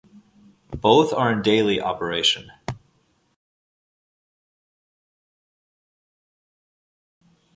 Both are in daily operation.